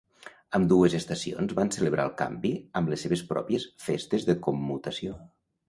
Ambdues estacions van celebrar el canvi amb les seves pròpies "Festes de Commutació".